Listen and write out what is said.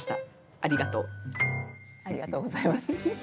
ありがとうございます。